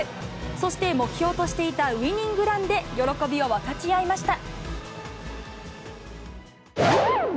そして、目標としていたウイニングランで喜びを分かち合いました。